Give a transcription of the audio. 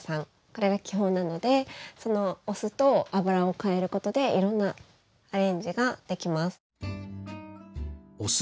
これが基本なのでそのお酢と油をかえることでいろんなアレンジができます。